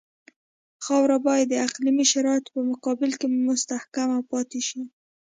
خاوره باید د اقلیمي شرایطو په مقابل کې مستحکم پاتې شي